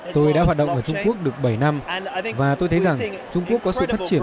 tôi đã hoạt động ở trung quốc được bảy năm và tôi thấy rằng trung quốc có sự phát triển